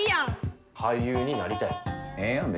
俳優になりたいねん。